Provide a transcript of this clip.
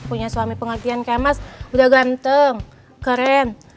punya suami pengertian kayak mas udah ganteng keren